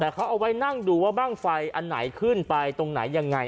แต่เขาเอาไว้นั่งดูว่าบ้างไฟอันไหนขึ้นไปตรงไหนยังไง